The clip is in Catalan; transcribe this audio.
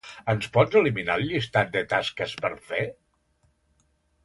Ens pots eliminar el llistat de tasques per fer?